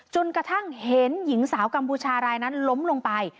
จนกระทั่งเห็นหญิงสาวกัมพูชารายนั้นล้มลงไป